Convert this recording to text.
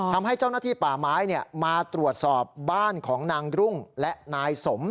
ทำให้เจ้าหน้าที่ป่าไม้มาตรวจสอบบ้านของนางรุ่งและนายสม